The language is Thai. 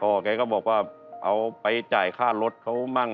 แกก็บอกว่าเอาไปจ่ายค่ารถเขามั่ง